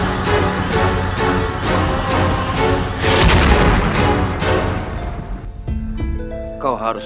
dan membuatnya menjadi seorang yang berguna